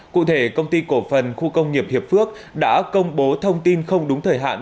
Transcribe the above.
cụ thể công ty cổ phần khu công nghiệp hiệp phước đã công bố thông tin không đúng thời hạn